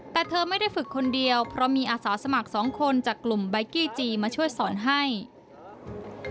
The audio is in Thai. แต่เธอไม่ได้ฝึกคนเดียวเพราะมีอาสาสมัครสองคนจากกลุ่มใบกี้จีมาช่วยสอนให้